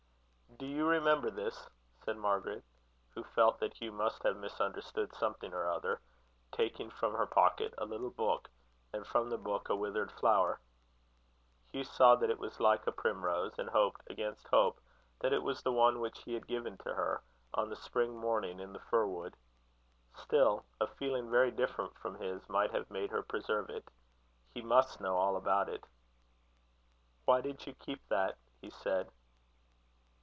"Do you remember this?" said Margaret, who felt that Hugh must have misunderstood something or other, taking from her pocket a little book, and from the book a withered flower. Hugh saw that it was like a primrose, and hoped against hope that it was the one which he had given to her, on the spring morning in the fir wood. Still, a feeling very different from his might have made her preserve it. He must know all about it. "Why did you keep that?" he said.